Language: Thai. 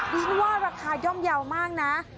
ดิฉันว่าราคาย่อมเยาว์มากนะ